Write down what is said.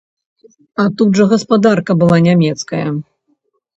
А тут жа гаспадарка была нямецкая!